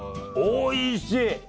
おいしい！